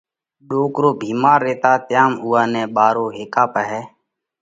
ڏوڪرو ڀيمار ريتو تيام اُوئا نئہ ٻارو هيڪئہ پاهئہ